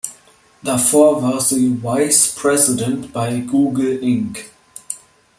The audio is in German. Davor war sie Vice President bei Google Inc.